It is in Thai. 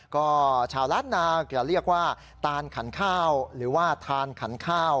ก็ชาวล้านนาจะเรียกว่าตานขันข้าวหรือว่าทานขันข้าว